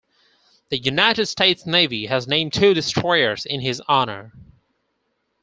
The United States Navy has named two destroyers in his honor.